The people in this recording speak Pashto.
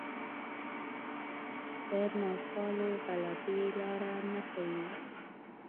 پر ناخوالو غلبې لاره نه ښيي